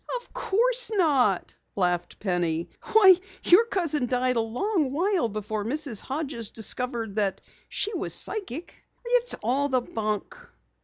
"Of course not!" laughed Penny. "Why, your cousin died a long while before Mrs. Hodges discovered that she was psychic. It's all the bunk!"